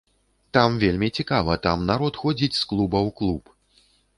Там вельмі цікава, там народ ходзіць з клуба ў клуб.